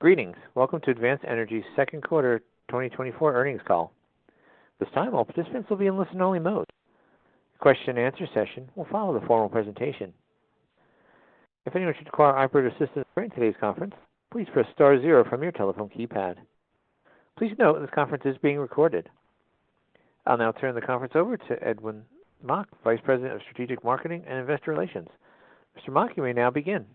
Greetings! Welcome to Advanced Energy's second quarter 2024 earnings call. This time, all participants will be in listen-only mode. Question and answer session will follow the formal presentation. If anyone should require operator assistance during today's conference, please press star zero from your telephone keypad. Please note, this conference is being recorded. I'll now turn the conference over to Edwin Mok, Vice President of Strategic Marketing and investor relations. Mr. Mok, you may now begin.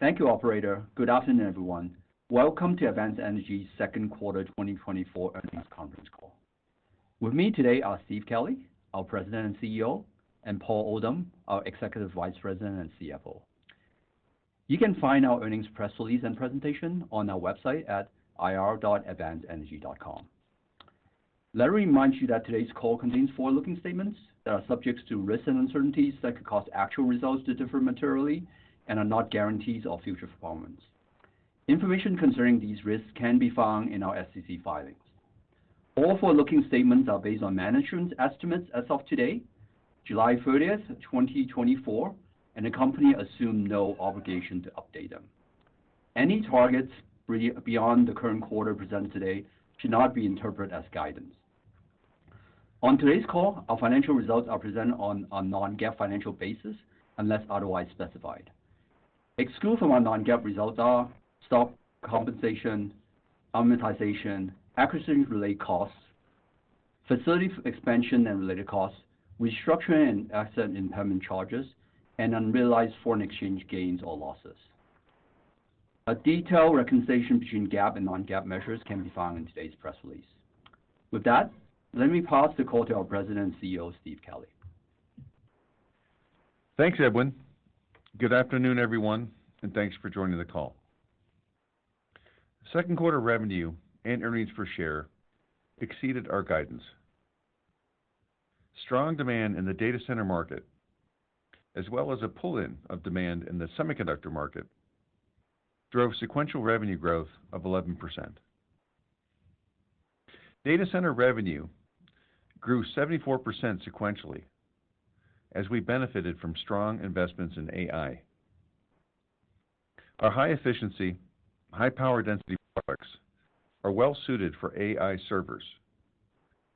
Thank you, operator. Good afternoon, everyone. Welcome to Advanced Energy's second quarter 2024 earnings conference call. With me today are Steve Kelley, our President and CEO, and Paul Oldham, our Executive Vice President and CFO. You can find our earnings press release and presentation on our website at ir.advancedenergy.com. Let me remind you that today's call contains forward-looking statements that are subject to risks and uncertainties that could cause actual results to differ materially and are not guarantees of future performance. Information concerning these risks can be found in our SEC filings. All forward-looking statements are based on management's estimates as of today, July 30, 2024, and the company assume no obligation to update them. Any targets beyond the current quarter presented today should not be interpreted as guidance. On today's call, our financial results are presented on a non-GAAP financial basis, unless otherwise specified. Excluded from our non-GAAP results are stock compensation, amortization, acquisition-related costs, facility expansion and related costs, restructuring and asset impairment charges, and unrealized foreign exchange gains or losses. A detailed reconciliation between GAAP and non-GAAP measures can be found in today's press release. With that, let me pass the call to our President and CEO, Steve Kelley. Thanks, Edwin. Good afternoon, everyone, and thanks for joining the call. Second quarter revenue and earnings per share exceeded our guidance. Strong demand in the data center market, as well as a pull-in of demand in the semiconductor market, drove sequential revenue growth of 11%. Data center revenue grew 74% sequentially, as we benefited from strong investments in AI. Our high efficiency, high power density products are well suited for AI servers,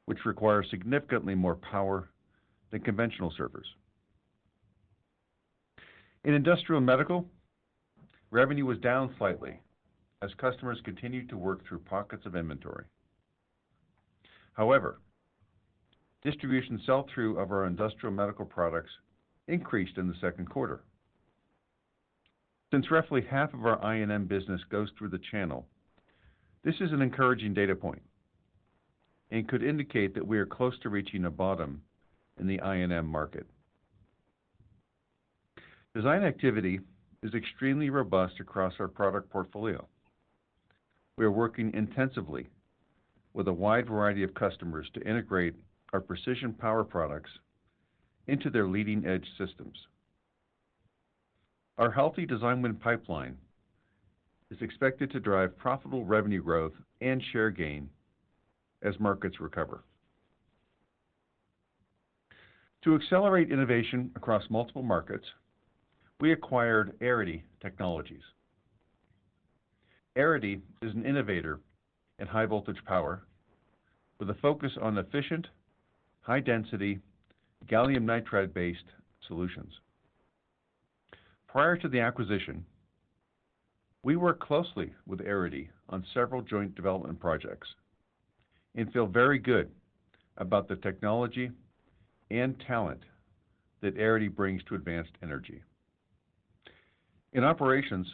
which require significantly more power than conventional servers. In industrial and medical, revenue was down slightly as customers continued to work through pockets of inventory. However, distribution sell-through of our industrial medical products increased in the second quarter. Since roughly half of our I&M business goes through the channel, this is an encouraging data point and could indicate that we are close to reaching a bottom in the I&M market. Design activity is extremely robust across our product portfolio. We are working intensively with a wide variety of customers to integrate our precision power products into their leading-edge systems. Our healthy design win pipeline is expected to drive profitable revenue growth and share gain as markets recover. To accelerate innovation across multiple markets, we acquired Airity Technologies. Airity is an innovator in high-voltage power with a focus on efficient, high-density, gallium nitride-based solutions. Prior to the acquisition, we worked closely with Airity on several joint development projects and feel very good about the technology and talent that Airity brings to Advanced Energy. In operations,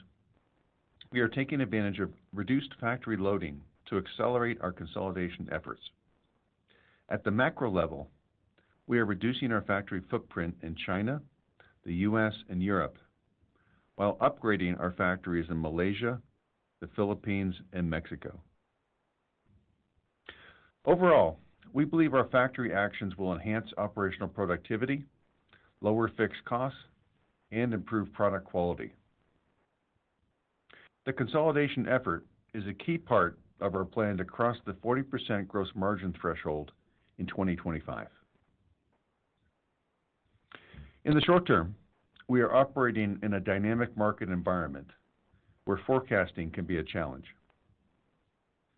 we are taking advantage of reduced factory loading to accelerate our consolidation efforts. At the macro level, we are reducing our factory footprint in China, the U.S., and Europe, while upgrading our factories in Malaysia, the Philippines, and Mexico. Overall, we believe our factory actions will enhance operational productivity, lower fixed costs, and improve product quality. The consolidation effort is a key part of our plan to cross the 40% gross margin threshold in 2025. In the short term, we are operating in a dynamic market environment where forecasting can be a challenge.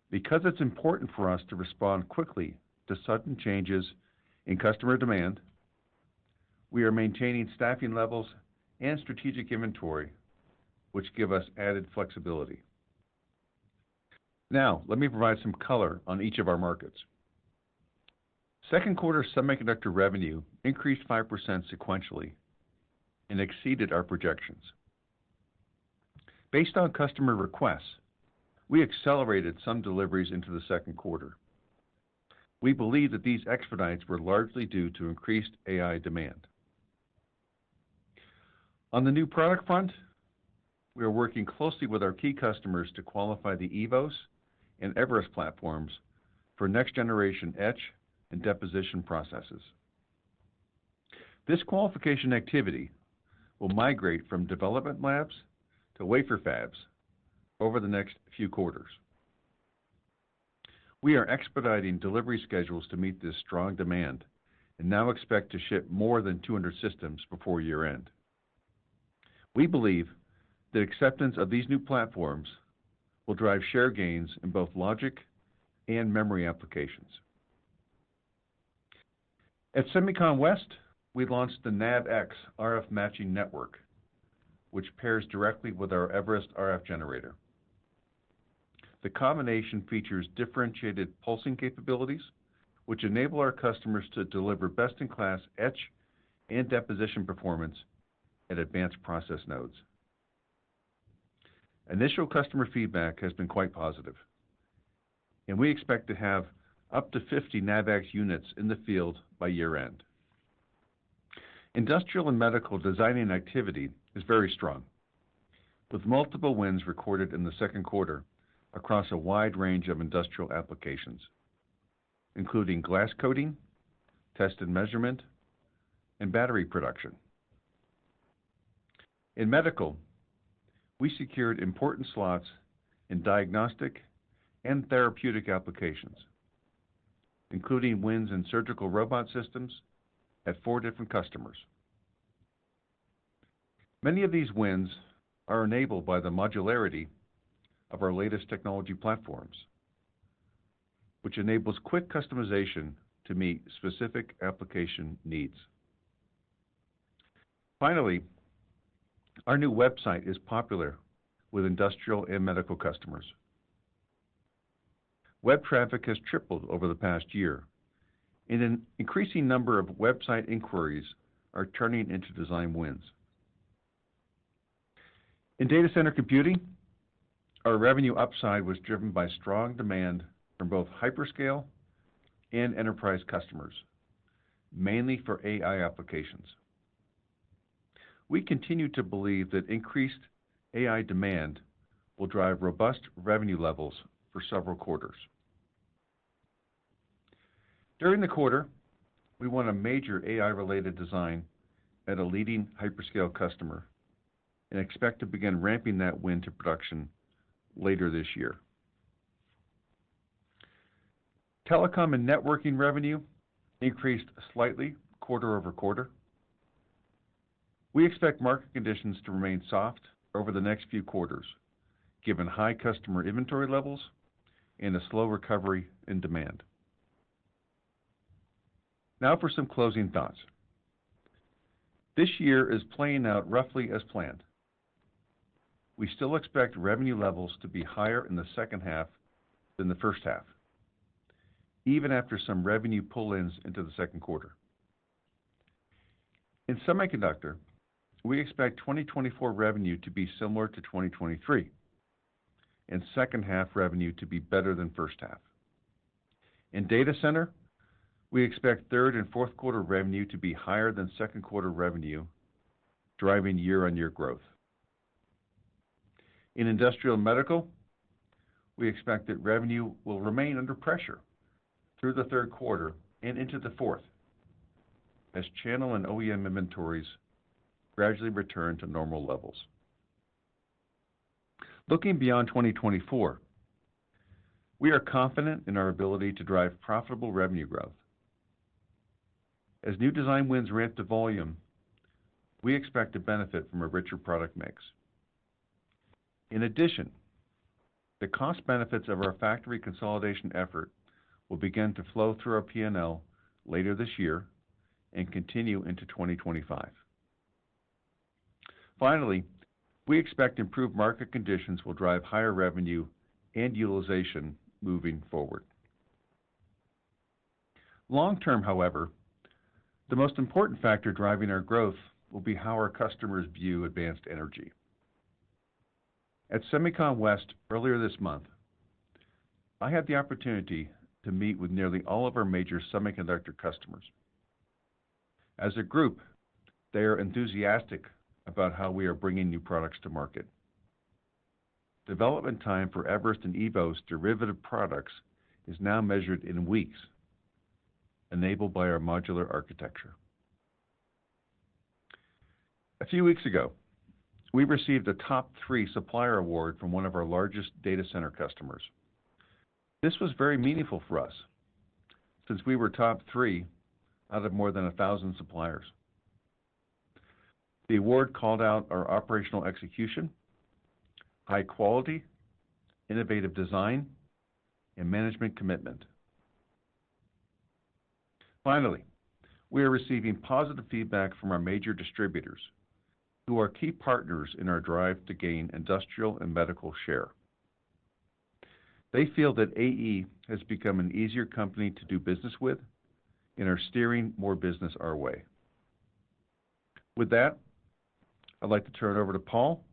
Because it's important for us to respond quickly to sudden changes in customer demand, we are maintaining staffing levels and strategic inventory, which give us added flexibility. Now, let me provide some color on each of our markets. Second quarter semiconductor revenue increased 5% sequentially and exceeded our projections. Based on customer requests, we accelerated some deliveries into the second quarter. We believe that these expedites were largely due to increased AI demand. On the new product front, we are working closely with our key customers to qualify the eVoS and eVerest platforms for next-generation etch and deposition processes. This qualification activity will migrate from development labs to wafer fabs over the next few quarters. We are expediting delivery schedules to meet this strong demand, and now expect to ship more than 200 systems before year-end. We believe that acceptance of these new platforms will drive share gains in both logic and memory applications. At SEMICON West, we launched the NavX RF Matching Network, which pairs directly with our eVerest RF generator. The combination features differentiated pulsing capabilities, which enable our customers to deliver best-in-class etch and deposition performance at advanced process nodes. Initial customer feedback has been quite positive, and we expect to have up to 50 NavX units in the field by year-end. Industrial and medical designing activity is very strong, with multiple wins recorded in the second quarter across a wide range of industrial applications, including glass coating, test and measurement, and battery production. In medical, we secured important slots in diagnostic and therapeutic applications, including wins in surgical robot systems at four different customers. Many of these wins are enabled by the modularity of our latest technology platforms, which enables quick customization to meet specific application needs. Finally, our new website is popular with industrial and medical customers. Web traffic has tripled over the past year, and an increasing number of website inquiries are turning into design wins. In data center computing, our revenue upside was driven by strong demand from both hyperscale and enterprise customers, mainly for AI applications. We continue to believe that increased AI demand will drive robust revenue levels for several quarters. During the quarter, we won a major AI-related design at a leading hyperscale customer and expect to begin ramping that win to production later this year. Telecom and networking revenue increased slightly quarter-over-quarter. We expect market conditions to remain soft over the next few quarters, given high customer inventory levels and a slow recovery in demand. Now for some closing thoughts. This year is playing out roughly as planned. We still expect revenue levels to be higher in the second half than the first half, even after some revenue pull-ins into the second quarter. In Semiconductor, we expect 2024 revenue to be similar to 2023, and second half revenue to be better than first half. In Data Center, we expect third and fourth quarter revenue to be higher than second quarter revenue, driving year-on-year growth. In Industrial and Medical, we expect that revenue will remain under pressure through the third quarter and into the fourth, as channel and OEM inventories gradually return to normal levels. Looking beyond 2024, we are confident in our ability to drive profitable revenue growth. As new design wins ramp to volume, we expect to benefit from a richer product mix. In addition, the cost benefits of our factory consolidation effort will begin to flow through our PL later this year and continue into 2025. Finally, we expect improved market conditions will drive higher revenue and utilization moving forward. Long term, however, the most important factor driving our growth will be how our customers view Advanced Energy. At SEMICON West, earlier this month, I had the opportunity to meet with nearly all of our major semiconductor customers. As a group, they are enthusiastic about how we are bringing new products to market. Development time for eVerest and eVoS's derivative products is now measured in weeks, enabled by our modular architecture. A few weeks ago, we received a top three supplier award from one of our largest data center customers. This was very meaningful for us, since we were top three out of more than 1,000 suppliers. The award called out our operational execution, high quality, innovative design, and management commitment. Finally, we are receiving positive feedback from our major distributors, who are key partners in our drive to gain industrial and medical share. They feel that AE has become an easier company to do business with and are steering more business our way. With that, I'd like to turn it over to Paul,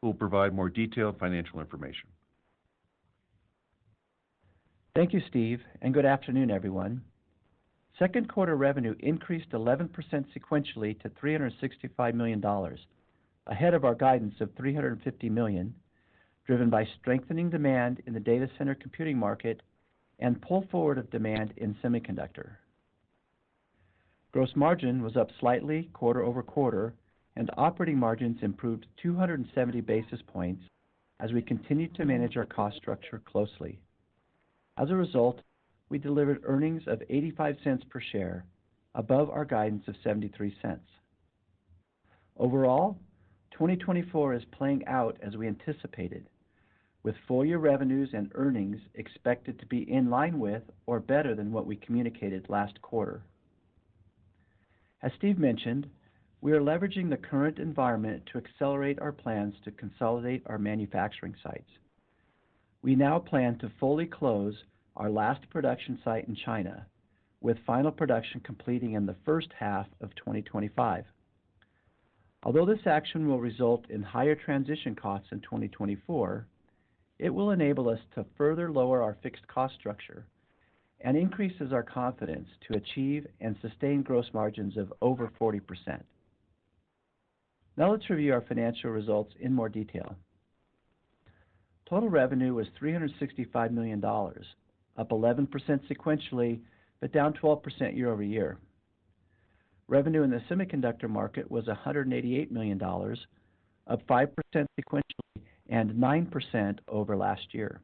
who will provide more detailed financial information. Thank you, Steve, and good afternoon, everyone. Second quarter revenue increased 11% sequentially to $365 million, ahead of our guidance of $350 million, driven by strengthening demand in the data center computing market and pull forward of demand in semiconductor.... Gross margin was up slightly quarter-over-quarter, and operating margins improved 270 basis points as we continued to manage our cost structure closely. As a result, we delivered earnings of $0.85 per share, above our guidance of $0.73. Overall, 2024 is playing out as we anticipated, with full year revenues and earnings expected to be in line with or better than what we communicated last quarter. As Steve mentioned, we are leveraging the current environment to accelerate our plans to consolidate our manufacturing sites. We now plan to fully close our last production site in China, with final production completing in the first half of 2025. Although this action will result in higher transition costs in 2024, it will enable us to further lower our fixed cost structure and increases our confidence to achieve and sustain gross margins of over 40%. Now let's review our financial results in more detail. Total revenue was $365 million, up 11% sequentially, but down 12% year-over-year. Revenue in the semiconductor market was $188 million, up 5% sequentially and 9% over last year.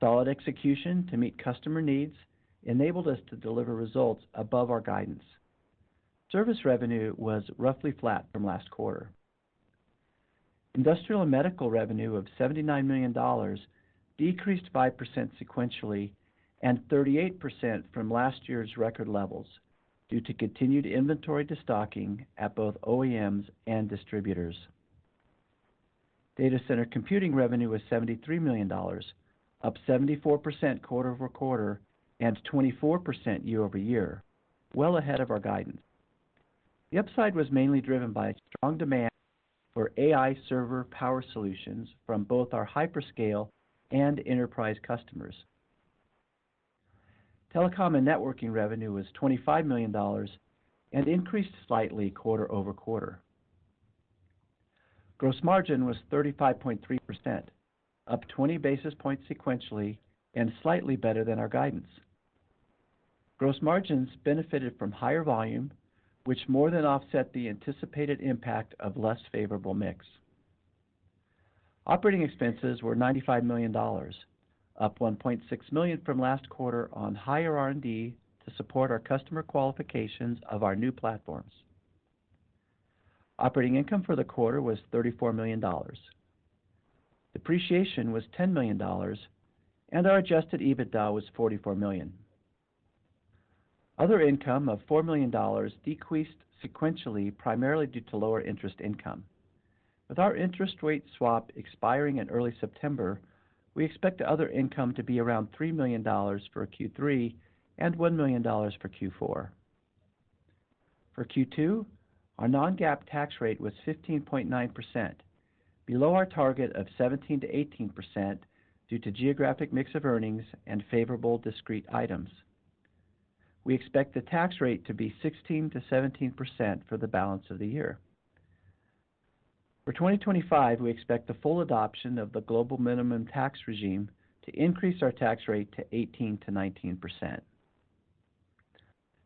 Solid execution to meet customer needs enabled us to deliver results above our guidance. Service revenue was roughly flat from last quarter. Industrial and medical revenue of $79 million decreased 5% sequentially and 38% from last year's record levels, due to continued inventory destocking at both OEMs and distributors. Data center computing revenue was $73 million, up 74% quarter-over-quarter and 24% year-over-year, well ahead of our guidance. The upside was mainly driven by a strong demand for AI server power solutions from both our hyperscale and enterprise customers. Telecom and networking revenue was $25 million and increased slightly quarter-over-quarter. Gross margin was 35.3%, up 20 basis points sequentially and slightly better than our guidance. Gross margins benefited from higher volume, which more than offset the anticipated impact of less favorable mix. Operating expenses were $95 million, up $1.6 million from last quarter on higher R&D to support our customer qualifications of our new platforms. Operating income for the quarter was $34 million. Depreciation was $10 million, and our adjusted EBITDA was $44 million. Other income of $4 million decreased sequentially, primarily due to lower interest income. With our interest rate swap expiring in early September, we expect other income to be around $3 million for Q3 and $1 million for Q4. For Q2, our non-GAAP tax rate was 15.9%, below our target of 17%-18% due to geographic mix of earnings and favorable discrete items. We expect the tax rate to be 16%-17% for the balance of the year. For 2025, we expect the full adoption of the global minimum tax regime to increase our tax rate to 18%-19%.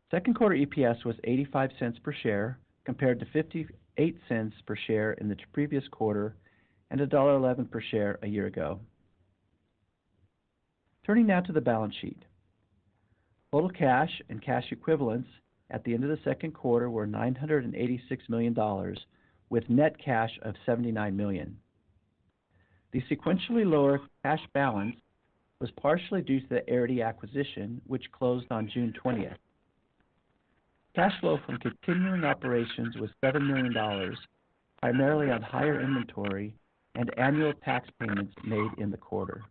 Second quarter EPS was $0.85 per share, compared to $0.58 per share in the previous quarter and $1.11 per share a year ago. Turning now to the balance sheet. Total cash and cash equivalents at the end of the second quarter were $986 million, with net cash of $79 million. The sequentially lower cash balance was partially due to the Airity acquisition, which closed on June twentieth. Cash flow from continuing operations was $7 million, primarily on higher inventory and annual tax payments made in the quarter.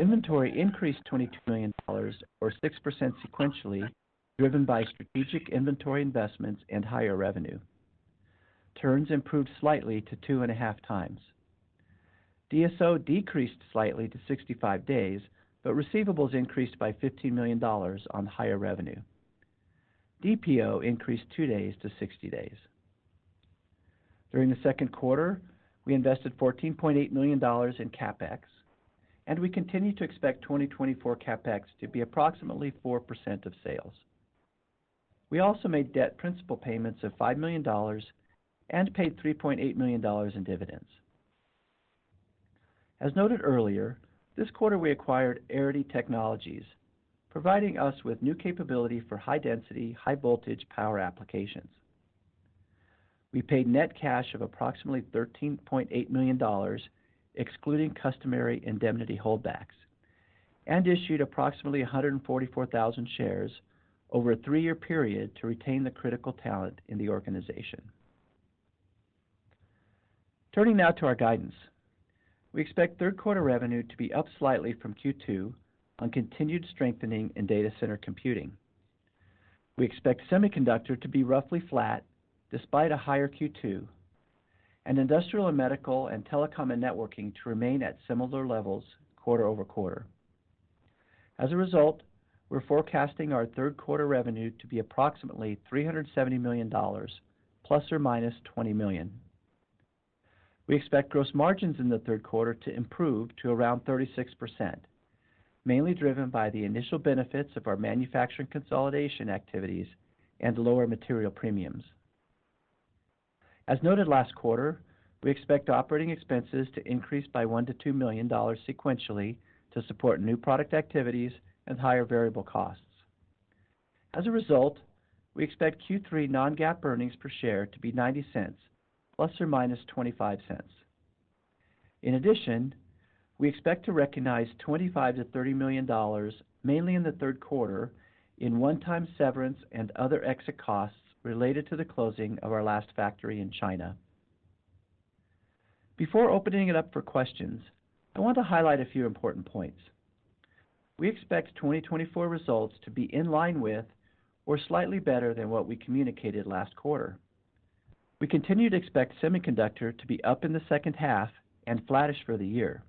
Inventory increased $22 million or 6% sequentially, driven by strategic inventory investments and higher revenue. Turns improved slightly to 2.5x. DSO decreased slightly to 65 days, but receivables increased by $15 million on higher revenue. DPO increased 2 days to 60 days. During the second quarter, we invested $14.8 million in CapEx, and we continue to expect 2024 CapEx to be approximately 4% of sales. We also made debt principal payments of $5 million and paid $3.8 million in dividends. As noted earlier, this quarter, we acquired Airity Technologies, providing us with new capability for high density, high voltage power applications. We paid net cash of approximately $13.8 million, excluding customary indemnity holdbacks, and issued approximately 144,000 shares over a 3-year period to retain the critical talent in the organization. Turning now to our guidance. We expect third quarter revenue to be up slightly from Q2 on continued strengthening in data center computing. We expect semiconductor to be roughly flat despite a higher Q2, and industrial and medical and telecom and networking to remain at similar levels quarter over quarter. As a result, we're forecasting our third quarter revenue to be approximately $370 million ±$20 million. We expect gross margins in the third quarter to improve to around 36%, mainly driven by the initial benefits of our manufacturing consolidation activities and lower material premiums. As noted last quarter, we expect operating expenses to increase by $1 million-$2 million sequentially to support new product activities and higher variable costs. As a result, we expect Q3 non-GAAP earnings per share to be $0.90 ±$0.25. In addition, we expect to recognize $25 million-$30 million, mainly in the third quarter, in one-time severance and other exit costs related to the closing of our last factory in China. Before opening it up for questions, I want to highlight a few important points. We expect 2024 results to be in line with or slightly better than what we communicated last quarter. We continue to expect semiconductor to be up in the second half and flattish for the year.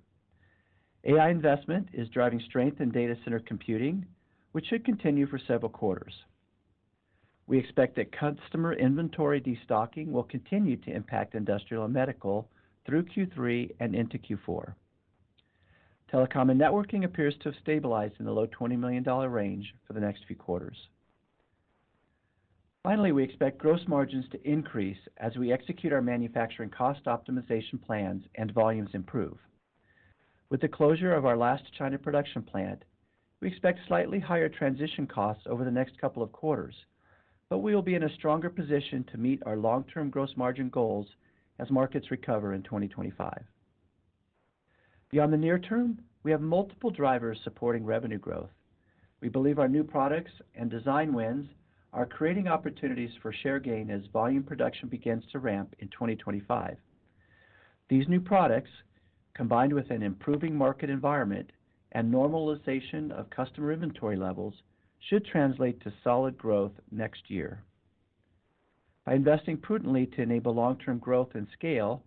AI investment is driving strength in data center computing, which should continue for several quarters. We expect that customer inventory destocking will continue to impact industrial and medical through Q3 and into Q4. Telecom and networking appears to have stabilized in the low $20 million range for the next few quarters. Finally, we expect gross margins to increase as we execute our manufacturing cost optimization plans and volumes improve. With the closure of our last China production plant, we expect slightly higher transition costs over the next couple of quarters, but we will be in a stronger position to meet our long-term gross margin goals as markets recover in 2025. Beyond the near term, we have multiple drivers supporting revenue growth. We believe our new products and design wins are creating opportunities for share gain as volume production begins to ramp in 2025. These new products, combined with an improving market environment and normalization of customer inventory levels, should translate to solid growth next year. By investing prudently to enable long-term growth and scale,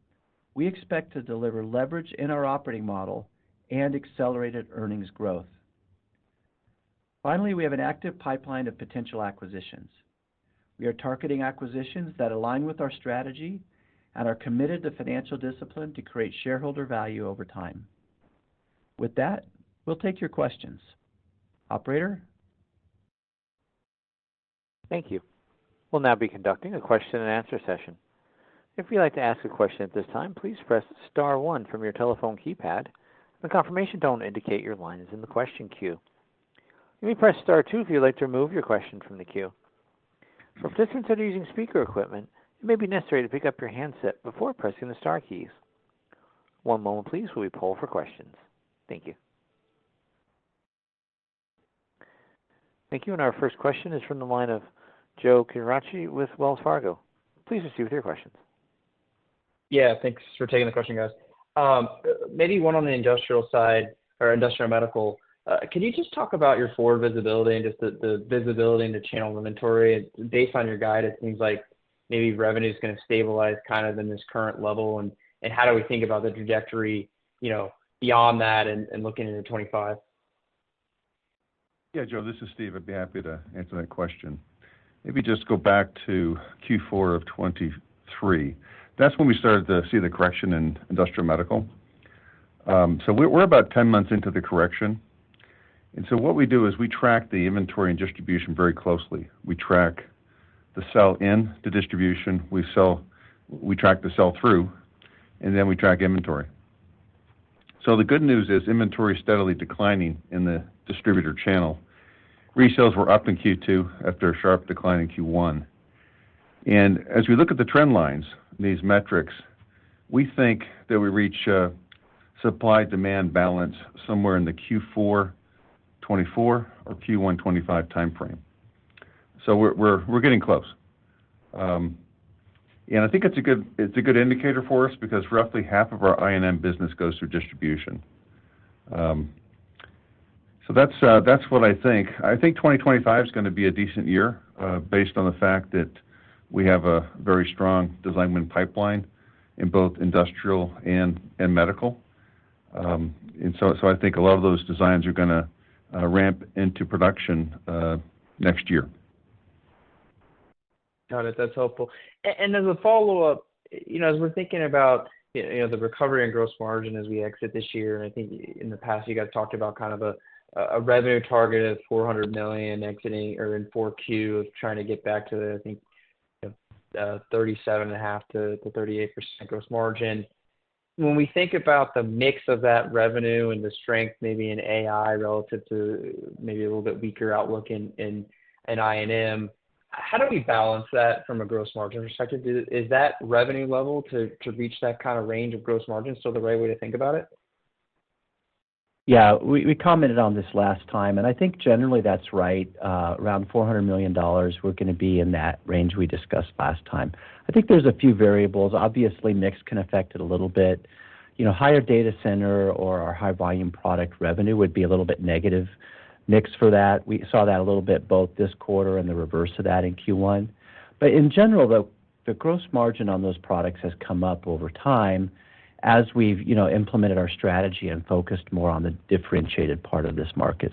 we expect to deliver leverage in our operating model and accelerated earnings growth. Finally, we have an active pipeline of potential acquisitions. We are targeting acquisitions that align with our strategy and are committed to financial discipline to create shareholder value over time. With that, we'll take your questions. Operator? Thank you. We'll now be conducting a question-and-answer session. If you'd like to ask a question at this time, please press star one from your telephone keypad. A confirmation tone will indicate your line is in the question queue. You may press star two if you'd like to remove your question from the queue. For participants that are using speaker equipment, it may be necessary to pick up your handset before pressing the star keys. One moment, please, while we poll for questions. Thank you. Thank you. And our first question is from the line of Joe Quatrochi with Wells Fargo. Please proceed with your questions. Yeah, thanks for taking the question, guys. Maybe one on the industrial side or industrial medical. Can you just talk about your forward visibility and just the visibility in the channel inventory? Based on your guide, it seems like maybe revenue is gonna stabilize kind of in this current level. And how do we think about the trajectory, you know, beyond that and looking into 2025? Yeah, Joe, this is Steve. I'd be happy to answer that question. Maybe just go back to Q4 of 2023. That's when we started to see the correction in industrial medical. So we're about 10 months into the correction, and so what we do is we track the inventory and distribution very closely. We track the sell in to distribution, we track the sell through, and then we track inventory. So the good news is, inventory is steadily declining in the distributor channel. Resales were up in Q2 after a sharp decline in Q1. And as we look at the trend lines, these metrics, we think that we reach a supply-demand balance somewhere in the Q4 2024 or Q1 2025 time frame. So we're getting close. And I think it's a good, it's a good indicator for us because roughly half of our INM business goes through distribution. So that's, that's what I think. I think 2025 is gonna be a decent year, based on the fact that we have a very strong design win pipeline in both industrial and medical. And so I think a lot of those designs are gonna ramp into production next year. Got it. That's helpful. And as a follow-up, you know, as we're thinking about, you know, the recovery and gross margin as we exit this year, I think in the past, you guys talked about kind of a revenue target of $400 million exiting or in Q4 of trying to get back to, I think, 37.5%-38% gross margin. When we think about the mix of that revenue and the strength maybe in AI, relative to maybe a little bit weaker outlook in INM, how do we balance that from a gross margin perspective? Do you? Is that revenue level to reach that kind of range of gross margin, still the right way to think about it? Yeah, we commented on this last time, and I think generally that's right. Around $400 million, we're gonna be in that range we discussed last time. I think there's a few variables. Obviously, mix can affect it a little bit. You know, higher data center or our high-volume product revenue would be a little bit negative mix for that. We saw that a little bit both this quarter and the reverse of that in Q1. But in general, though, the gross margin on those products has come up over time as we've, you know, implemented our strategy and focused more on the differentiated part of this market.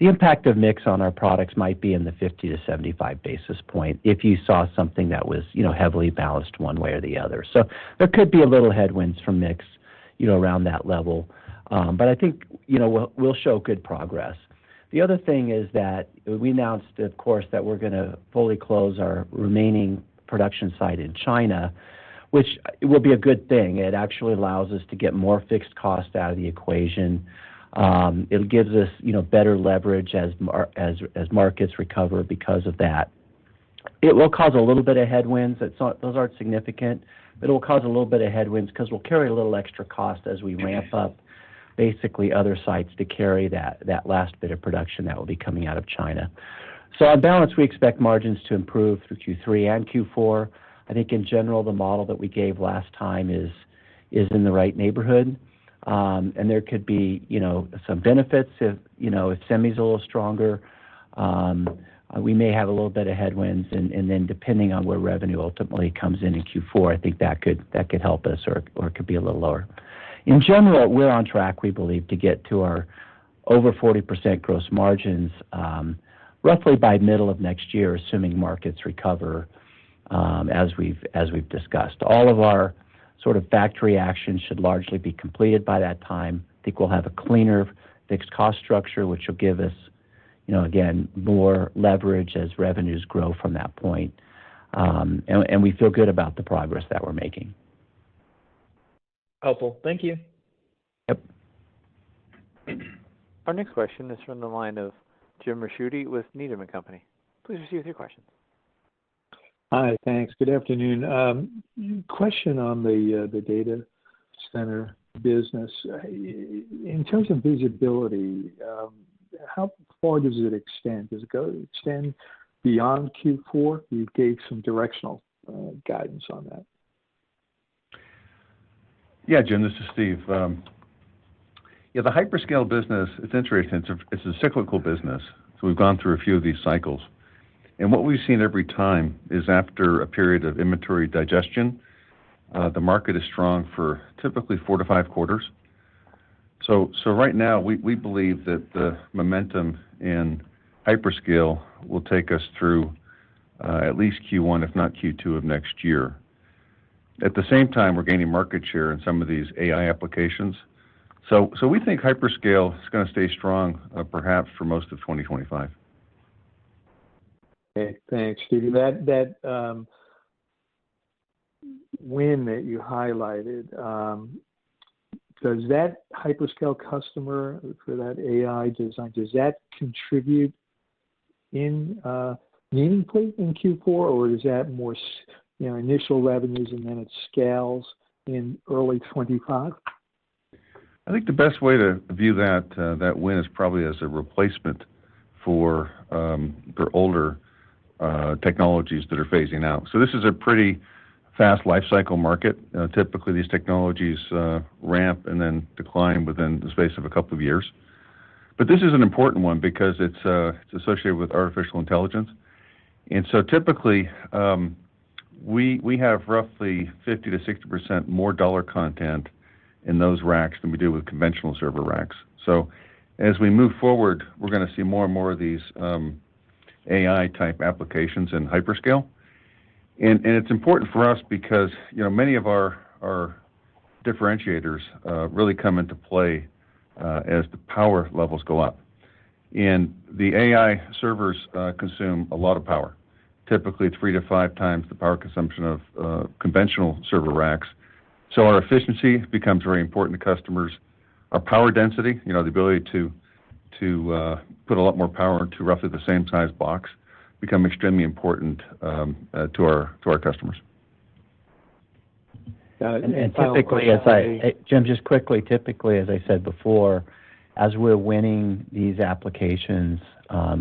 The impact of mix on our products might be in the 50-75 basis points if you saw something that was, you know, heavily balanced one way or the other. So there could be a little headwinds from mix, you know, around that level, but I think, you know, we'll show good progress. The other thing is that we announced, of course, that we're gonna fully close our remaining production site in China, which it will be a good thing. It actually allows us to get more fixed cost out of the equation. It gives us, you know, better leverage as markets recover because of that. It will cause a little bit of headwinds, but those aren't significant. It'll cause a little bit of headwinds because we'll carry a little extra cost as we ramp up, basically, other sites to carry that last bit of production that will be coming out of China. So on balance, we expect margins to improve through Q3 and Q4. I think in general, the model that we gave last time is in the right neighborhood, and there could be, you know, some benefits if, you know, if semi's a little stronger, we may have a little bit of headwinds, and then depending on where revenue ultimately comes in in Q4, I think that could help us or it could be a little lower. In general, we're on track, we believe, to get to our over 40% gross margins, roughly by middle of next year, assuming markets recover, as we've discussed. All of our sort of factory actions should largely be completed by that time. I think we'll have a cleaner, fixed cost structure, which will give us, you know, again, more leverage as revenues grow from that point. And we feel good about the progress that we're making. Helpful. Thank you. Yep. Our next question is from the line of Jim Ricchiuti with Needham & Company. Please proceed with your question. Hi, thanks. Good afternoon. Question on the data center business. In terms of visibility, how far does it extend? Does it go extend beyond Q4? You gave some directional guidance on that. Yeah, Jim, this is Steve. Yeah, the hyperscale business, it's interesting. It's a, it's a cyclical business, so we've gone through a few of these cycles. And what we've seen every time is after a period of inventory digestion, the market is strong for typically 4-5 quarters. So, right now, we believe that the momentum in hyperscale will take us through at least Q1, if not Q2 of next year. At the same time, we're gaining market share in some of these AI applications. So, we think hyperscale is gonna stay strong, perhaps for most of 2025. Okay, thanks, Steve. That win that you highlighted, does that hyperscale customer for that AI design contribute meaningfully in Q4, or is that more, you know, initial revenues and then it scales in early 2025? I think the best way to view that, that win is probably as a replacement for, for older, technologies that are phasing out. So this is a pretty fast life cycle market. Typically these technologies, ramp and then decline within the space of a couple of years. But this is an important one because it's, it's associated with artificial intelligence. And so typically, we, we have roughly 50%-60% more dollar content in those racks than we do with conventional server racks. So as we move forward, we're gonna see more and more of these, AI-type applications in hyperscale. And, it's important for us because, you know, many of our, our differentiators, really come into play, as the power levels go up. The AI servers consume a lot of power, typically 3-5 times the power consumption of conventional server racks. Our efficiency becomes very important to customers. Our power density, you know, the ability to put a lot more power into roughly the same size box, become extremely important to our customers. Uh- And typically, Jim, just quickly, typically, as I said before, as we're winning these applications,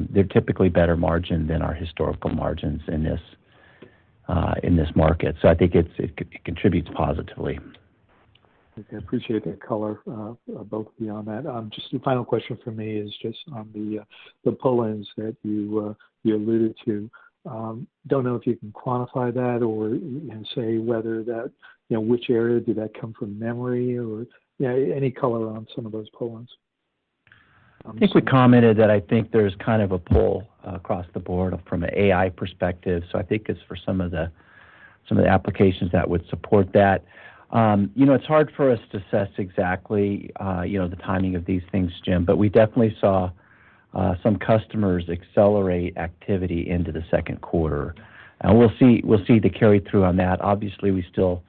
they're typically better margin than our historical margins in this market. So I think it contributes positively. I appreciate that color, both of you on that. Just the final question for me is just on the, the pull-ins that you, you alluded to. Don't know if you can quantify that or, and say whether that, you know, which area did that come from, memory, or, yeah, any color on some of those pull-ins? I think we commented that I think there's kind of a pull across the board from an AI perspective, so I think it's for some of the, some of the applications that would support that. You know, it's hard for us to assess exactly, you know, the timing of these things, Jim, but we definitely saw some customers accelerate activity into the second quarter, and we'll see, we'll see the carry-through on that. Obviously, we still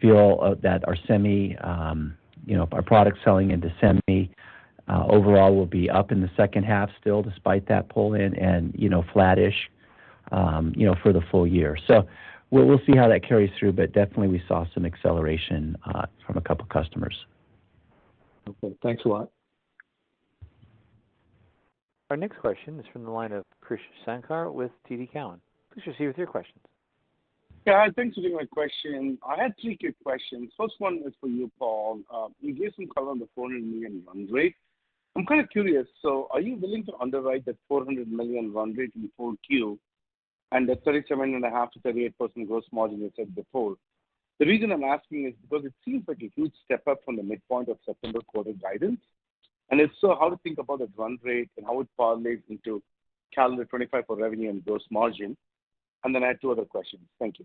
feel that our semi, you know, our product selling into semi, overall will be up in the second half still, despite that pull-in and, you know, flattish, you know, for the full year. So we'll see how that carries through, but definitely we saw some acceleration from a couple customers. Okay. Thanks a lot. Our next question is from the line of Krishna Sankar with TD Cowen. Krish, proceed with your questions. Yeah, thanks for taking my question. I had three quick questions. First one is for you, Paul. You gave some color on the $400 million loan rate. I'm kind of curious, so are you willing to underwrite that $400 million loan rate in the full queue?... and the 37.5%-38% gross margin you said before. The reason I'm asking is because it seems like a huge step up from the midpoint of September quarter guidance, and if so, how to think about the run rate and how it correlates into calendar 2025 for revenue and gross margin. And then I have two other questions. Thank you.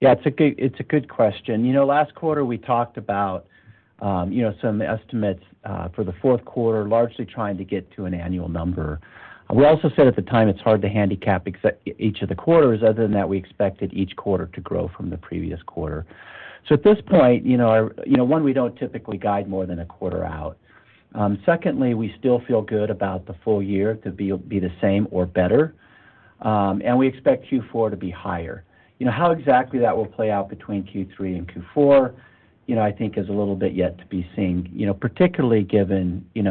Yeah, it's a good, it's a good question. You know, last quarter, we talked about, you know, some estimates for the fourth quarter, largely trying to get to an annual number. We also said at the time, it's hard to handicap each of the quarters other than that, we expected each quarter to grow from the previous quarter. So at this point, you know, I, you know, one, we don't typically guide more than a quarter out. Secondly, we still feel good about the full year to be the same or better, and we expect Q4 to be higher. You know, how exactly that will play out between Q3 and Q4, you know, I think is a little bit yet to be seen, you know, particularly given, you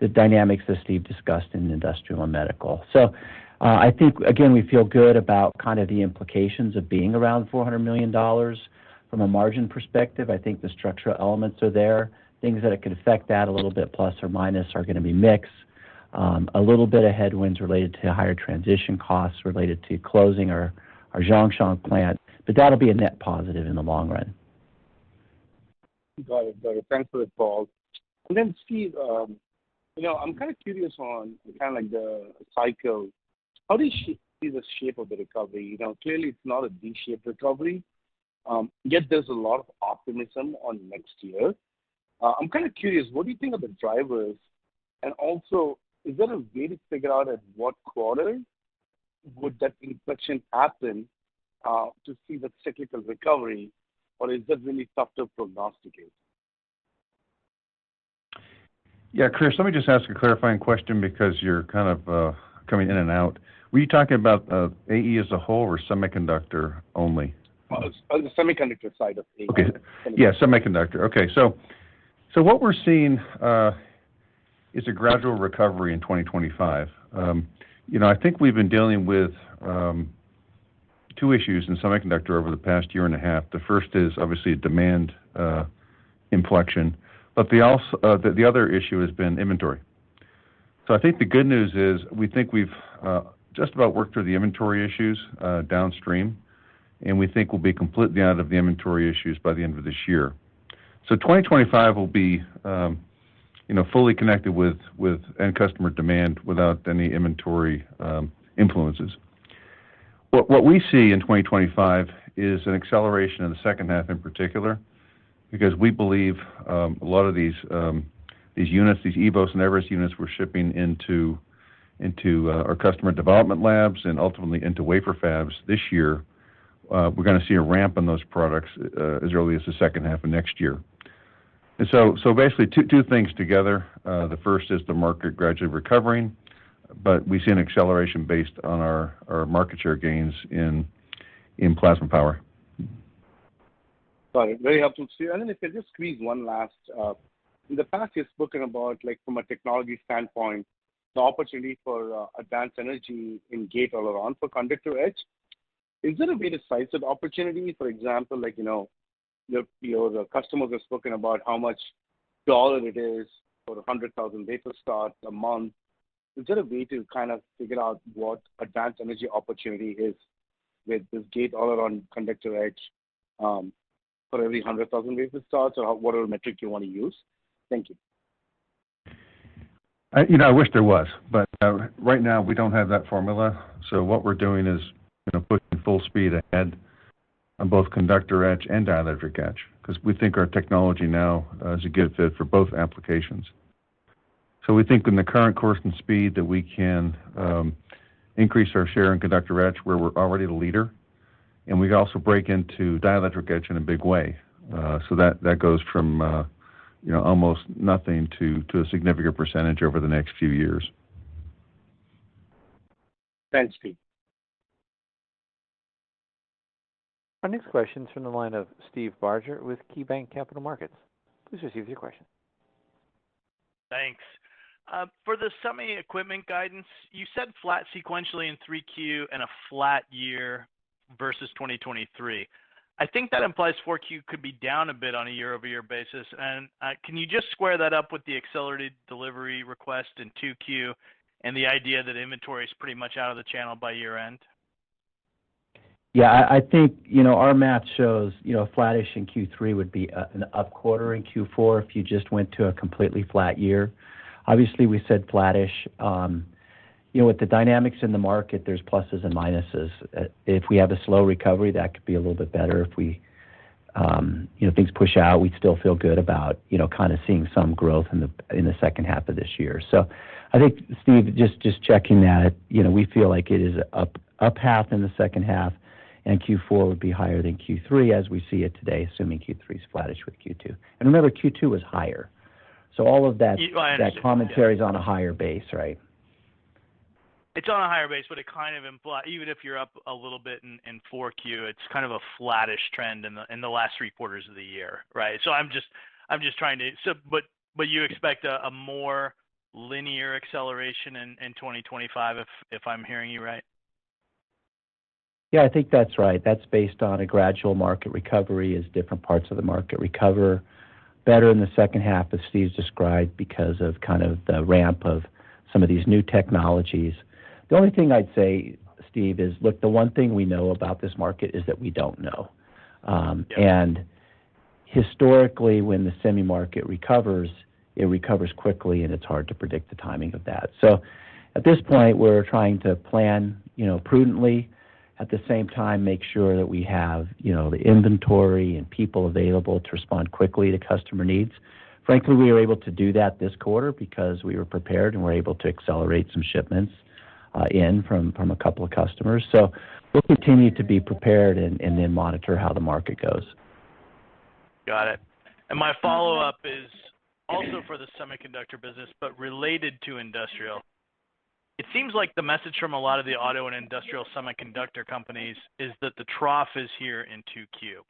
know, the dynamics that Steve discussed in industrial and medical. So, I think, again, we feel good about kind of the implications of being around $400 million from a margin perspective. I think the structural elements are there. Things that could affect that a little bit, plus or minus, are gonna be mix, a little bit of headwinds related to higher transition costs related to closing our Zhongshan plant, but that'll be a net positive in the long run. Got it. Got it. Thanks for that, Paul. And then, Steve, you know, I'm kind of curious on kind of like the cycle. How do you see the shape of the recovery? You know, clearly, it's not a V-shaped recovery, yet there's a lot of optimism on next year. I'm kind of curious, what do you think are the drivers? And also, is there a way to figure out at what quarter would that inflection happen, to see the cyclical recovery, or is that really tough to prognosticate? Yeah, Krish, let me just ask a clarifying question because you're kind of coming in and out. Were you talking about AE as a whole or semiconductor only? On the semiconductor side of AE. Okay. Yeah, semiconductor. Okay, so what we're seeing is a gradual recovery in 2025. You know, I think we've been dealing with two issues in semiconductor over the past year and a half. The first is obviously demand inflection, but the other issue has been inventory. So I think the good news is, we think we've just about worked through the inventory issues downstream, and we think we'll be completely out of the inventory issues by the end of this year. So 2025 will be, you know, fully connected with end customer demand without any inventory influences. What we see in 2025 is an acceleration in the second half, in particular, because we believe a lot of these units, these eVoS and eVerest units we're shipping into our customer development labs and ultimately into wafer fabs this year, we're gonna see a ramp on those products as early as the second half of next year. And so basically two things together. The first is the market gradually recovering, but we see an acceleration based on our market share gains in plasma power. Got it. Very helpful, Steve. And then if I just squeeze one last... In the past, you've spoken about, like, from a technology standpoint, the opportunity for Advanced Energy in gate-all-around for conductor etch. Is there a way to size the opportunity, for example, like, you know, your, your customers have spoken about how much dollar it is for 100,000 wafer start a month. Is there a way to kind of figure out what Advanced Energy opportunity is with this gate-all-around conductor etch, for every 100,000 wafer starts or whatever metric you want to use? Thank you. You know, I wish there was, but right now, we don't have that formula. So what we're doing is, you know, pushing full speed ahead on both conductor etch and dielectric etch, 'cause we think our technology now is a good fit for both applications. So we think in the current course and speed, that we can increase our share in conductor etch, where we're already the leader, and we also break into dielectric etch in a big way. So that goes from, you know, almost nothing to a significant percentage over the next few years. Thanks, Steve. Our next question is from the line of Steve Barger with KeyBanc Capital Markets. Please receive your question. Thanks. For the semi equipment guidance, you said flat sequentially in 3Q and a flat year versus 2023. I think that implies 4Q could be down a bit on a year-over-year basis. And, can you just square that up with the accelerated delivery request in 2Q and the idea that inventory is pretty much out of the channel by year-end? Yeah, I think, you know, our math shows, you know, flattish in Q3 would be an up quarter in Q4 if you just went to a completely flat year. Obviously, we said flattish. You know, with the dynamics in the market, there's pluses and minuses. If we have a slow recovery, that could be a little bit better. If we, you know, things push out, we'd still feel good about, you know, kind of seeing some growth in the second half of this year. So I think, Steve, just checking that, you know, we feel like it is up half in the second half, and Q4 would be higher than Q3 as we see it today, assuming Q3 is flattish with Q2. Remember, Q2 was higher. So all of that- Yeah, I understand. - That commentary is on a higher base, right? It's on a higher base, but it kind of implies, even if you're up a little bit in 4Q, it's kind of a flattish trend in the last three quarters of the year, right? So I'm just trying to... So but you expect a more linear acceleration in 2025, if I'm hearing you right?... Yeah, I think that's right. That's based on a gradual market recovery as different parts of the market recover better in the second half, as Steve described, because of kind of the ramp of some of these new technologies. The only thing I'd say, Steve, is, look, the one thing we know about this market is that we don't know. And historically, when the semi market recovers, it recovers quickly, and it's hard to predict the timing of that. So at this point, we're trying to plan, you know, prudently, at the same time, make sure that we have, you know, the inventory and people available to respond quickly to customer needs. Frankly, we were able to do that this quarter because we were prepared, and we're able to accelerate some shipments in from a couple of customers. So we'll continue to be prepared and then monitor how the market goes. Got it. And my follow-up is also for the semiconductor business, but related to industrial. It seems like the message from a lot of the auto and industrial semiconductor companies is that the trough is here in 2Q.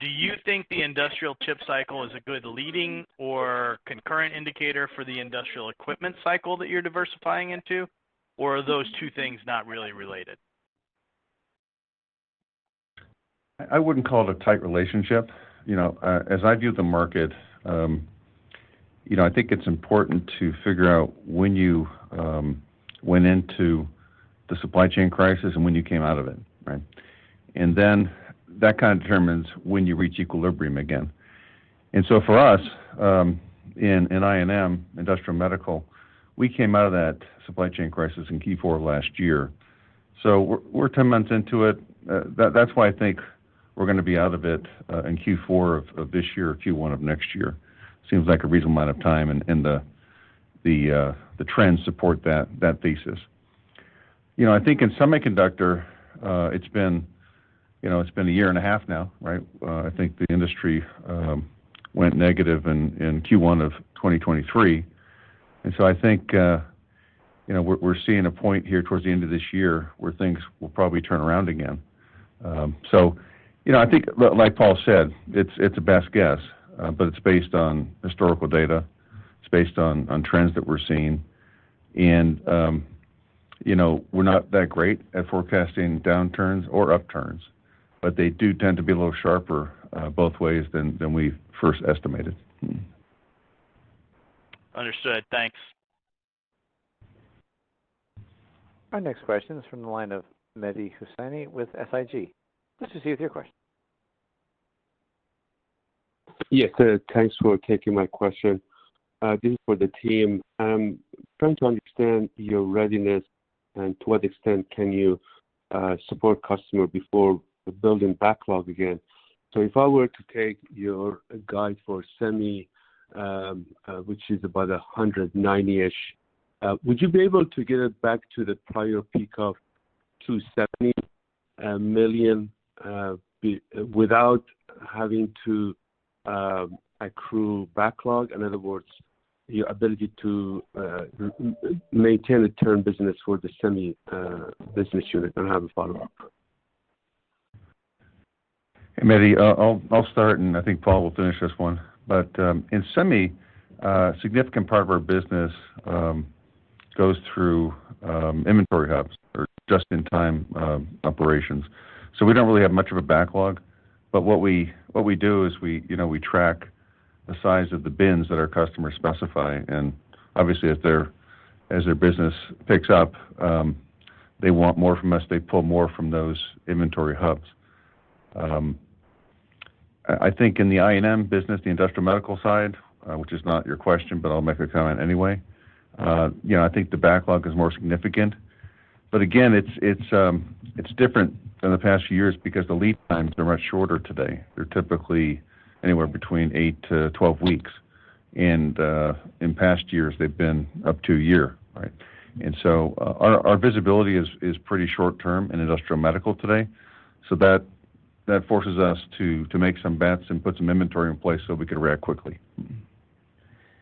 Do you think the industrial chip cycle is a good leading or concurrent indicator for the industrial equipment cycle that you're diversifying into? Or are those two things not really related? I wouldn't call it a tight relationship. You know, as I view the market, you know, I think it's important to figure out when you went into the supply chain crisis and when you came out of it, right? And then that kind of determines when you reach equilibrium again. And so for us, in, in INM, Industrial Medical, we came out of that supply chain crisis in Q4 last year, so we're, we're 10 months into it. That's why I think we're gonna be out of it in Q4 of this year or Q1 of next year. Seems like a reasonable amount of time, and the trends support that thesis. You know, I think in semiconductor, it's been, you know, it's been a year and a half now, right? I think the industry went negative in Q1 of 2023. And so I think, you know, we're seeing a point here towards the end of this year where things will probably turn around again. So, you know, I think, like Paul said, it's a best guess, but it's based on historical data, it's based on trends that we're seeing. And, you know, we're not that great at forecasting downturns or upturns, but they do tend to be a little sharper both ways than we first estimated. Understood. Thanks. Our next question is from the line of Mehdi Hosseini with SIG. Mehdi, your question. Yes, thanks for taking my question. This is for the team. I'm trying to understand your readiness and to what extent can you support customer before building backlog again. So if I were to take your guide for semi, which is about $190 million-ish, would you be able to get it back to the prior peak of $270 million without having to accrue backlog? In other words, your ability to maintain a term business for the semi business unit, and I have a follow-up. Mehdi, I'll, I'll start, and I think Paul will finish this one. But in semi, a significant part of our business goes through inventory hubs or just-in-time operations. So we don't really have much of a backlog, but what we do is we, you know, we track the size of the bins that our customers specify, and obviously, if as their business picks up, they want more from us, they pull more from those inventory hubs. I think in the INM business, the industrial medical side, which is not your question, but I'll make a comment anyway. You know, I think the backlog is more significant, but again, it's different than the past few years because the lead times are much shorter today. They're typically anywhere between 8-12 weeks, and in past years, they've been up to a year, right? And so our visibility is pretty short term in industrial medical today, so that forces us to make some bets and put some inventory in place so we can react quickly.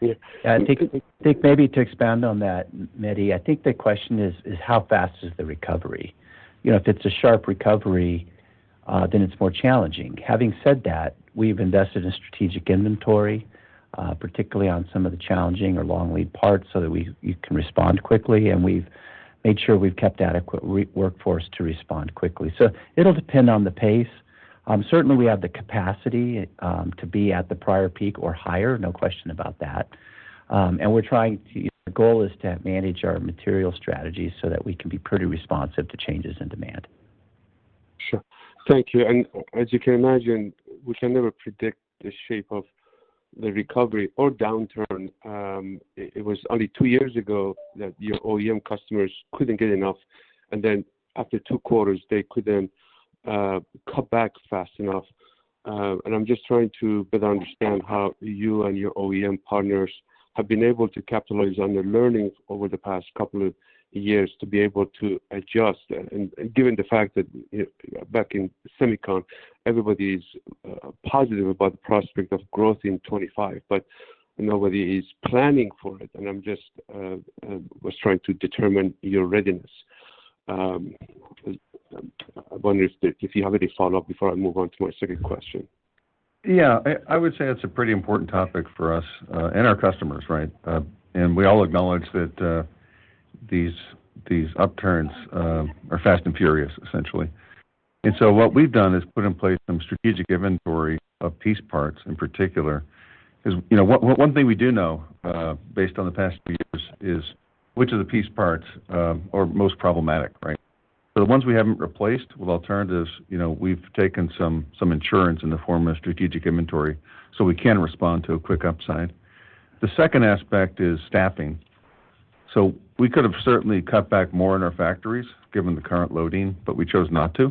Yeah, I think, I think maybe to expand on that, Mehdi, I think the question is, is how fast is the recovery? You know, if it's a sharp recovery, then it's more challenging. Having said that, we've invested in strategic inventory, particularly on some of the challenging or long lead parts, so that you can respond quickly, and we've made sure we've kept adequate workforce to respond quickly. So it'll depend on the pace. Certainly, we have the capacity to be at the prior peak or higher, no question about that. And we're trying to. The goal is to manage our material strategy so that we can be pretty responsive to changes in demand. Sure. Thank you. As you can imagine, we can never predict the shape of the recovery or downturn. It was only two years ago that your OEM customers couldn't get enough, and then after two quarters, they couldn't cut back fast enough. And I'm just trying to better understand how you and your OEM partners have been able to capitalize on your learnings over the past couple of years to be able to adjust. Given the fact that back in SEMICON, everybody is positive about the prospect of growth in 2025, but nobody is planning for it, and I'm just trying to determine your readiness. I wonder if you have any follow-up before I move on to my second question?... Yeah, I would say that's a pretty important topic for us, and our customers, right? And we all acknowledge that, these upturns are fast and furious, essentially. And so what we've done is put in place some strategic inventory of piece parts in particular. Because, you know, one thing we do know, based on the past few years is which of the piece parts are most problematic, right? So the ones we haven't replaced with alternatives, you know, we've taken some insurance in the form of strategic inventory, so we can respond to a quick upside. The second aspect is staffing. So we could have certainly cut back more in our factories, given the current loading, but we chose not to,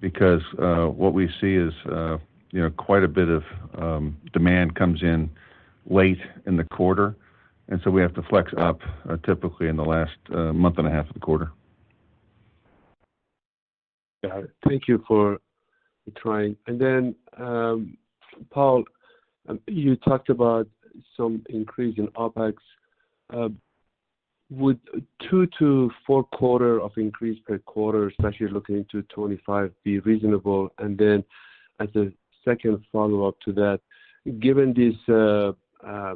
because, what we see is, you know, quite a bit of demand comes in late in the quarter, and so we have to flex up, typically in the last month and a half of the quarter. Got it. Thank you for trying. And then, Paul, you talked about some increase in OpEx. Would 2- to 4-quarter increase per quarter, especially looking into 2025, be reasonable? And then as a second follow-up to that, given this,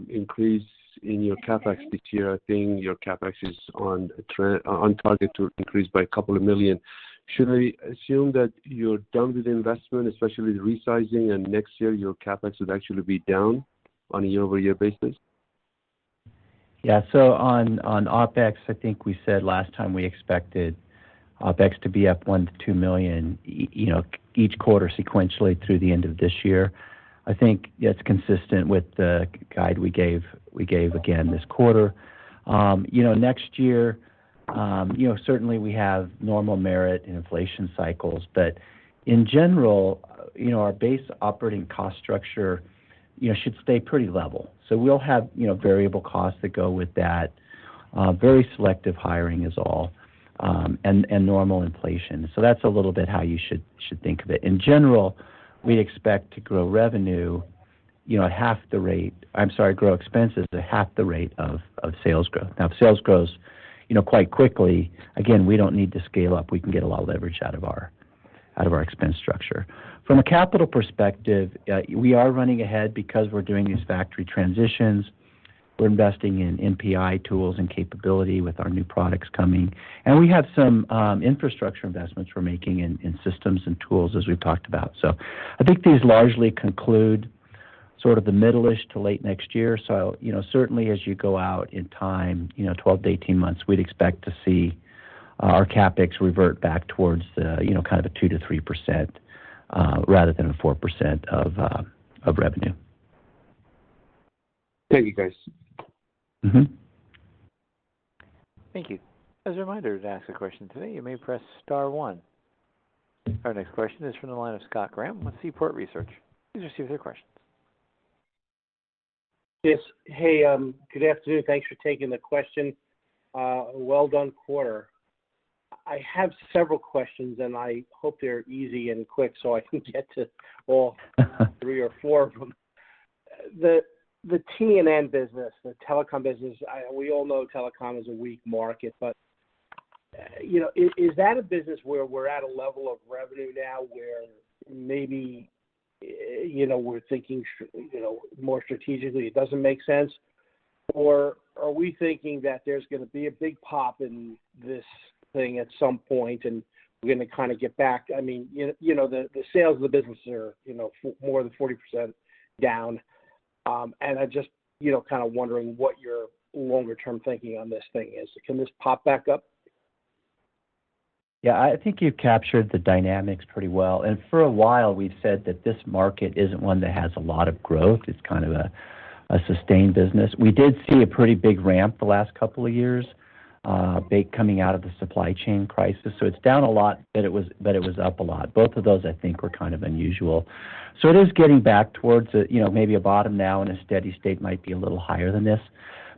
increase in your CapEx this year, I think your CapEx is on target to increase by $2 million. Should I assume that you're done with the investment, especially with resizing, and next year, your CapEx would actually be down on a year-over-year basis? Yeah, so on OpEx, I think we said last time we expected OpEx to be up $1 million-$2 million, you know, each quarter sequentially through the end of this year. I think that's consistent with the guide we gave again this quarter. You know, next year, you know, certainly we have normal merit and inflation cycles, but in general, you know, our base operating cost structure, you know, should stay pretty level. So we'll have, you know, variable costs that go with that. Very selective hiring is all, and normal inflation. So that's a little bit how you should think of it. In general, we expect to grow revenue, you know, at half the rate... I'm sorry, grow expenses at half the rate of sales growth. Now, if sales grows, you know, quite quickly, again, we don't need to scale up. We can get a lot of leverage out of our, out of our expense structure. From a capital perspective, we are running ahead because we're doing these factory transitions. We're investing in NPI tools and capability with our new products coming, and we have some infrastructure investments we're making in, in systems and tools, as we've talked about. So I think these largely conclude sort of the middle-ish to late next year. So, you know, certainly as you go out in time, you know, 12 to 18 months, we'd expect to see our CapEx revert back towards the, you know, kind of a 2%-3%, rather than a 4% of, of revenue. Thank you, guys. Mm-hmm. Thank you. As a reminder, to ask a question today, you may press star one. Our next question is from the line of Scott Graham with Seaport Research. Please proceed with your question. Yes. Hey, good afternoon. Thanks for taking the question. Well done quarter. I have several questions, and I hope they're easy and quick so I can get to all three or four of them. The T&N business, the telecom business, we all know telecom is a weak market, but, you know, is that a business where we're at a level of revenue now where maybe, you know, we're thinking strategically, it doesn't make sense? Or are we thinking that there's gonna be a big pop in this thing at some point, and we're gonna kind of get back? I mean, you know, the sales of the business are, you know, more than 40% down. And I just, you know, kind of wondering what your longer-term thinking on this thing is. Can this pop back up? Yeah, I think you've captured the dynamics pretty well. For a while, we've said that this market isn't one that has a lot of growth. It's kind of a sustained business. We did see a pretty big ramp the last couple of years, big coming out of the supply chain crisis, so it's down a lot, but it was up a lot. Both of those I think were kind of unusual. So it is getting back towards a bottom now, you know, and a steady state might be a little higher than this.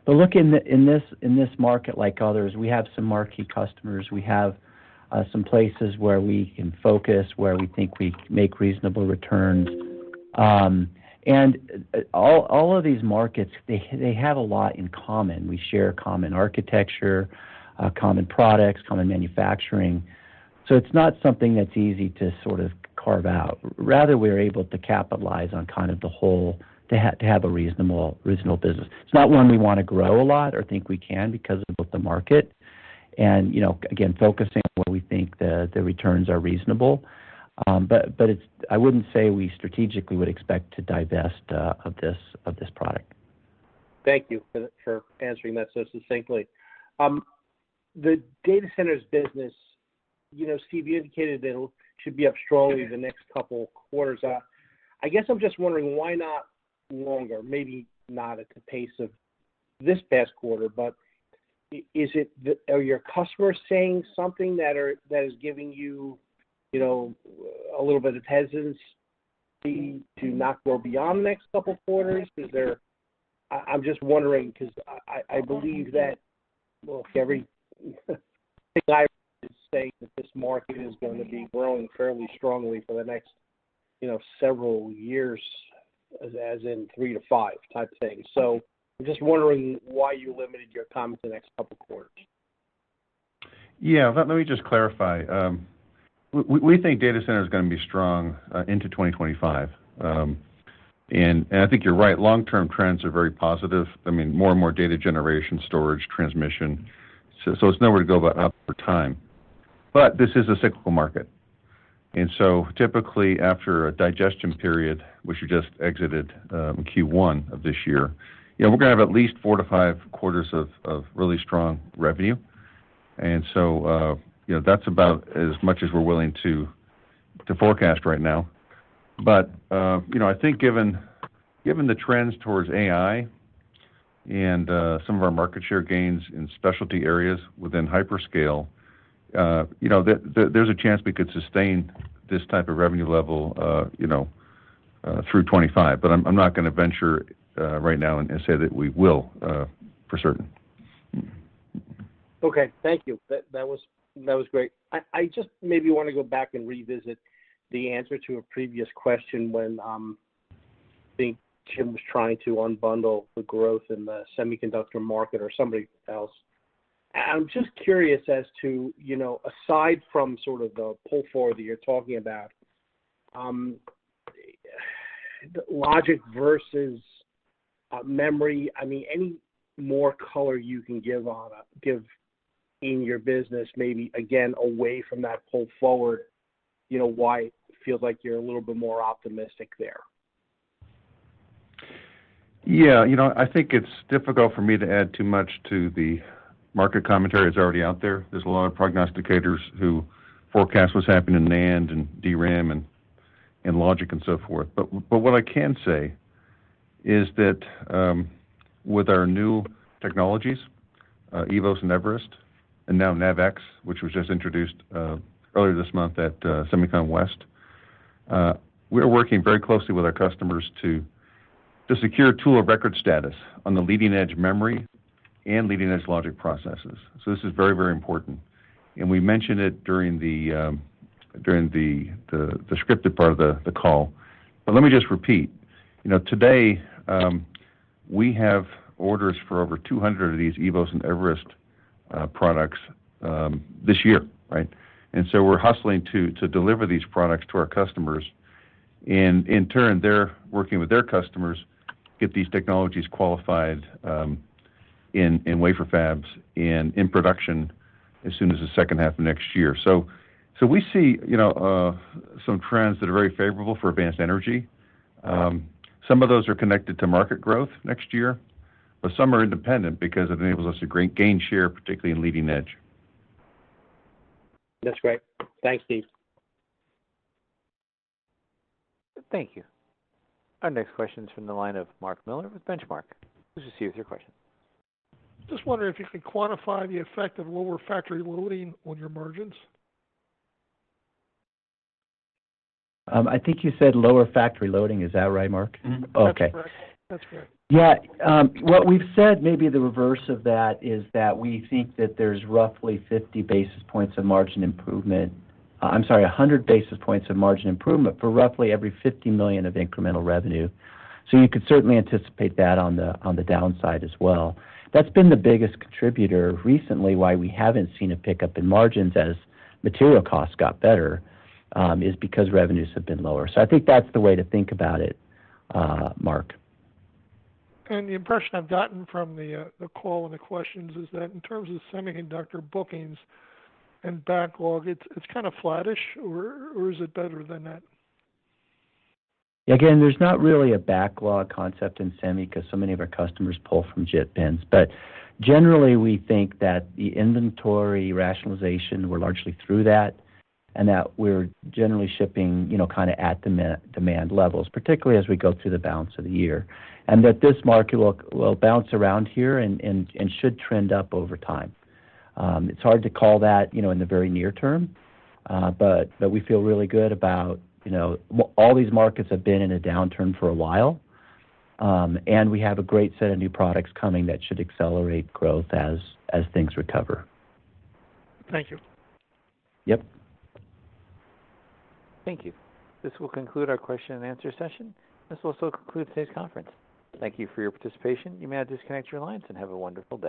But look, in this market, like others, we have some marquee customers. We have some places where we can focus, where we think we make reasonable returns. And all of these markets, they have a lot in common. We share common architecture, common products, common manufacturing, so it's not something that's easy to sort of carve out. Rather, we're able to capitalize on kind of the whole, to have a reasonable business. It's not one we want to grow a lot or think we can because of both the market and, you know, again, focusing on where we think the returns are reasonable. But it's - I wouldn't say we strategically would expect to divest of this product. Thank you for answering that so succinctly. The data centers business, you know, Steve, you indicated it'll should be up strongly the next couple quarters. I guess I'm just wondering, why not longer? Maybe not at the pace of this past quarter, but is it the... Are your customers saying something that are, that is giving you, you know, a little bit of hesitancy to not go beyond the next couple quarters? Is there... I'm just wondering, because I believe that, look, every is saying that this market is going to be growing fairly strongly for the next, you know, several years, as in 3 to 5 type thing. So I'm just wondering why you limited your comment to the next couple quarters?... Yeah, let me just clarify. We think data center is going to be strong into 2025. And I think you're right, long-term trends are very positive. I mean, more and more data generation, storage, transmission, so it's nowhere to go but up over time. But this is a cyclical market, and so typically after a digestion period, which we just exited, Q1 of this year, you know, we're going to have at least 4-5 quarters of really strong revenue. And so, you know, that's about as much as we're willing to forecast right now. But, you know, I think given the trends towards AI and some of our market share gains in specialty areas within hyperscale, you know, there's a chance we could sustain this type of revenue level, you know, through 2025. But I'm not going to venture right now and say that we will for certain. Okay, thank you. That was great. I just maybe want to go back and revisit the answer to a previous question when I think Tim was trying to unbundle the growth in the semiconductor market or somebody else. I'm just curious as to, you know, aside from sort of the pull forward that you're talking about, logic versus memory, I mean, any more color you can give on give in your business, maybe again, away from that pull forward, you know, why it feels like you're a little bit more optimistic there? Yeah, you know, I think it's difficult for me to add too much to the market commentary that's already out there. There's a lot of prognosticators who forecast what's happening in NAND and DRAM and Logic and so forth. But what I can say is that, with our new technologies, eVoS and eVerest, and now NavX, which was just introduced, earlier this month at SEMICON West, we are working very closely with our customers to secure tool of record status on the leading-edge memory and leading-edge logic processes. So this is very, very important. And we mentioned it during the scripted part of the call. But let me just repeat. You know, today, we have orders for over 200 of these eVoS and eVerest products, this year, right? And so we're hustling to deliver these products to our customers, and in turn, they're working with their customers to get these technologies qualified, in wafer fabs and in production as soon as the second half of next year. So we see, you know, some trends that are very favorable for Advanced Energy. Some of those are connected to market growth next year, but some are independent because it enables us to gain share, particularly in leading edge. That's great. Thanks, Steve. Thank you. Our next question is from the line of Mark Miller with Benchmark. Please proceed with your question. Just wondering if you could quantify the effect of lower factory loading on your margins? I think you said lower factory loading. Is that right, Mark? Mm-hmm. Okay. That's correct. That's correct. Yeah. What we've said, maybe the reverse of that, is that we think that there's roughly 50 basis points of margin improvement... I'm sorry, 100 basis points of margin improvement for roughly every $50 million of incremental revenue. So you could certainly anticipate that on the, on the downside as well. That's been the biggest contributor recently, why we haven't seen a pickup in margins as material costs got better, is because revenues have been lower. So I think that's the way to think about it, Mark. The impression I've gotten from the call and the questions is that in terms of semiconductor bookings and backlog, it's kind of flattish, or is it better than that? Again, there's not really a backlog concept in semi because so many of our customers pull from JIT bins. But generally, we think that the inventory rationalization, we're largely through that, and that we're generally shipping, you know, kind of at demand, demand levels, particularly as we go through the balance of the year. And that this market will bounce around here and should trend up over time. It's hard to call that, you know, in the very near term, but we feel really good about, you know, all these markets have been in a downturn for a while, and we have a great set of new products coming that should accelerate growth as things recover. Thank you. Yep. Thank you. This will conclude our question and answer session. This will also conclude today's conference. Thank you for your participation. You may now disconnect your lines and have a wonderful day.